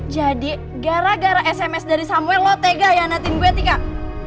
jadi gara gara sms dari samuel lo tega ya nanti gue tikak